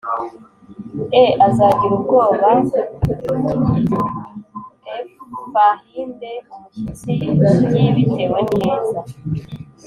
e Azagira ubwoba f ahinde umushyitsi g bitewe n ineza